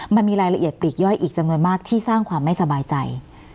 มันมีรายละเอียดปลีกย่อยอีกจำนวนมากที่สร้างความไม่สบายใจ